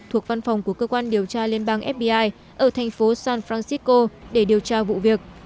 thuộc văn phòng của cơ quan điều tra liên bang fbi ở thành phố san francisco để điều tra vụ việc